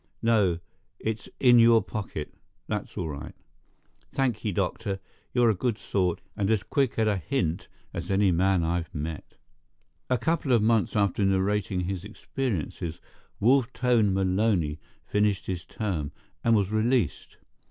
No; it's in your pocket—that's all right. Thank ye, doctor, you're a good sort, and as quick at a hint as any man I've met. A couple of months after narrating his experiences, Wolf Tone Maloney finished his term, and was released.